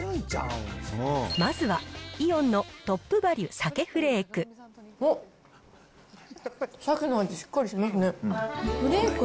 まずは、イオンのトップバリュ鮭フレーク。